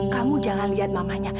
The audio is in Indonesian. kamu jangan lihat mamanya